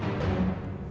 pergi ke sana